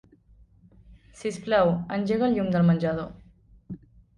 Sisplau, engega el llum del menjador.